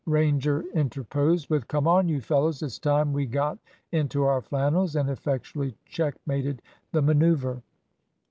Ranger interposed with "Come on, you fellows, it's time we got into our flannels," and effectually checkmated the manoeuvre.